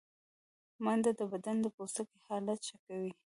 منډه د بدن د پوستکي حالت ښه کوي